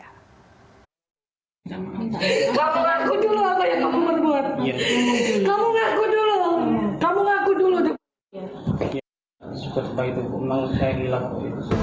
kamu ngaku dulu kamu ngaku dulu